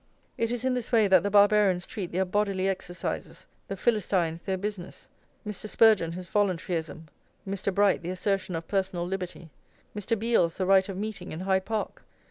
It is in this way that the Barbarians treat their bodily exercises, the Philistines their business, Mr. Spurgeon his voluntaryism, Mr. Bright the assertion of personal liberty, Mr. Beales the right of meeting in Hyde Park.